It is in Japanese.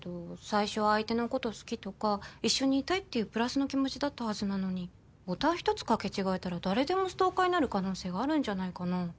最初は相手のこと好きとか一緒にいたいっていうプラスの気持ちだったはずなのにボタンひとつ掛け違えたら誰でもストーカーになる可能性があるんじゃないかな？